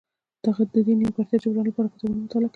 د دې نیمګړتیا جبران لپاره کتابونه مطالعه کوي.